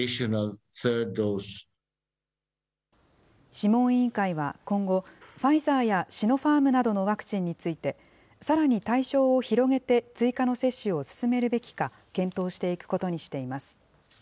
諮問委員会は今後、ファイザーやシノファームなどのワクチンについて、さらに対象を広げて、追加の接種を進めるべきか、検討していくことにしています。